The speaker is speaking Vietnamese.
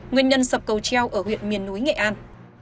nguyên nhân sập cầu treo ở huyện miền núi nghệ an